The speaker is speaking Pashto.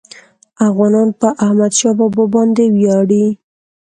افغانان په احمدشاه بابا باندي ویاړي.